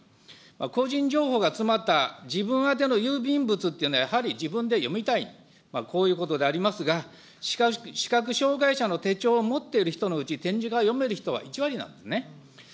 個人情報が詰まった自分宛ての郵便物というのは、やはり自分で読みたい、こういうことでありますが、視覚障害者の手帳を持っている人のうち、点字が読める人は１割なんですね。